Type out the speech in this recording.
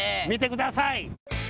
見てください。